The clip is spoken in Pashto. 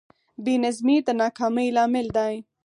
بېنظمي د ناکامۍ لامل دی.